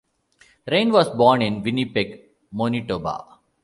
Rain was born in Winnipeg, Manitoba.